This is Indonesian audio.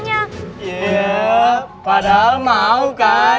ya padahal mau kan